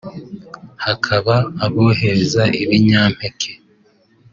hakaba abohereza ibinyampeke